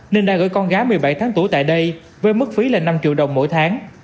nên đã gửi con gái một mươi bảy tháng tuổi tại đây với mức phí là năm triệu đồng mỗi tháng